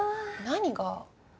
何が？